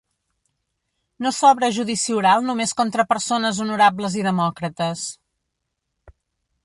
No s’obre judici oral només contra persones honorables i demòcrates.